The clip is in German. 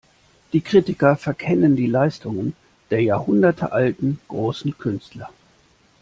Die Kritiker verkennen die Leistungen der jahrhundertealten, großen Künstler.